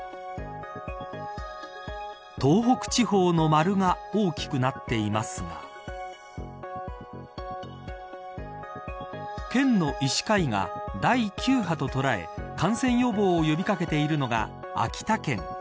東北地方の丸が大きくなっていますが県の医師会が第９波と捉え感染予防を呼び掛けているのが秋田県。